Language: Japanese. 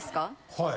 はい。